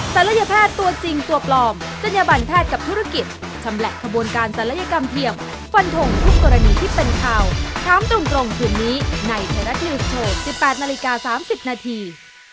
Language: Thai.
ศัลยแพทย์ตัวจริงตัวปลอมศัลยบันแพทย์กับธุรกิจชำแหละขบวนการศัลยกรรมเพียงฟันทงทุกกรณีที่เป็นข่าวถามตรงคืนนี้ในไทยรัฐนิวส์โชว์๑๘นาฬิกา๓๐นาที